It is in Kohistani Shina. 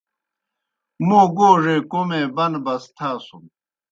موْ گوڙے کوْمے بَنبَس تھاسُن۔